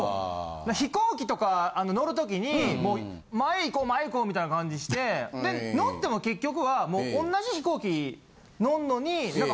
飛行機とか乗る時にもう前いこう前いこうみたいな感じして乗っても結局はもう同じ飛行機乗んのに何か。